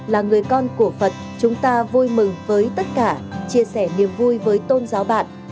là người con của phật chúng ta vui mừng với tất cả chia sẻ niềm vui với tôn giáo bạn